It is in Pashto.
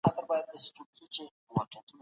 که کورنۍ هڅونه وکړي، باور نه راټیټېږي.